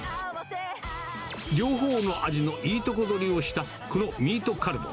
両方の味のいいとこ取りをしたこのミートカルボ。